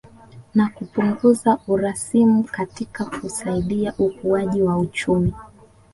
Na kupunguza urasimu katika kusaidia ukuaji wa kiuchumi